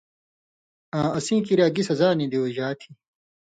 آں اسیں کِریا گی سزا نی دیُوژا تھی،